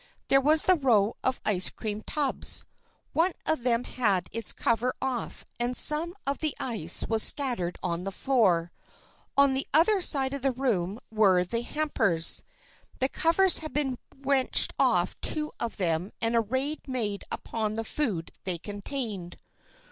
There was the row of ice cream tubs. One of them had its cover off and some of the ice was scattered on the floor. On the other side of the room were the hampers. The covers had been wrenched off two of them and a raid made upon the food they contained.